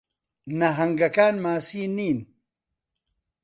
نەھەنگەکان ماسی نین.